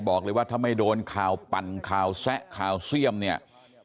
บอกเลยว่าถ้าไม่โดนข่าวปั่นข่าวแซะข่าวเสี่ยมเนี่ย